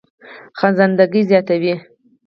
خانزادګۍ زياتوي